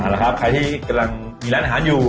แล้วครับใครที่กำลังมีร้านอาหารอยู่